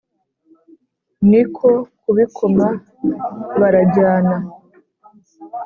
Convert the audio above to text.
ni ko kubikoma barajyana